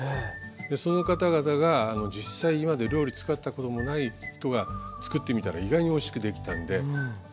その方々が実際今まで料理作ったこともない人が作ってみたら意外においしくできたんで答え合わせに来てくれるという。